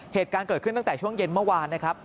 เหตุการณ์เกิดขึ้นตั้งแต่ช่วงเย็นเมื่อวานนะครับ